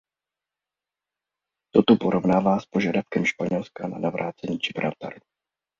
Toto porovnává s požadavkem Španělska na navrácení Gibraltaru.